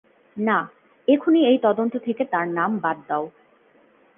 না, এখুনি এই তদন্ত থেকে তার নাম বাদ দাও।